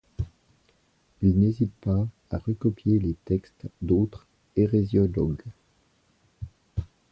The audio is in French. Il n'hésite pas à recopier les textes d'autres hérésiologues.